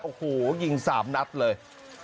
โอ้โหยิง๓นัดเลย